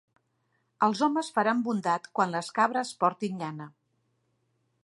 Els homes faran bondat quan les cabres portin llana.